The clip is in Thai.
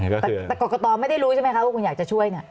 แต่กรกตไม่ได้รู้ใช่ไหมคะว่าคุณอยากจะช่วยเนี่ย